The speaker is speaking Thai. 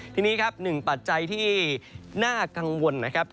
ทีนี้ครับหนึ่งปัจจัยที่น่ากังวลนะครับ